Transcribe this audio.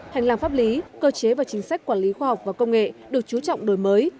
hành lang pháp lý cơ chế và chính sách quản lý khoa học và công nghệ được chú trọng đổi mới